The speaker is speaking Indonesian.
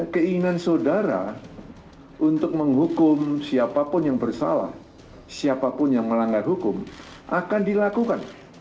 keinginan saudara untuk menghukum siapapun yang bersalah siapapun yang melanggar hukum akan dilakukan